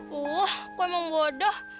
wah aku emang bodoh